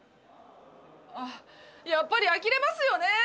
あっやっぱりあきれますよね。